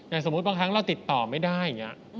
สมมุติบางครั้งเราติดต่อไม่ได้อย่างนี้